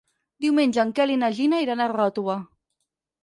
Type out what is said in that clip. Diumenge en Quel i na Gina iran a Ròtova.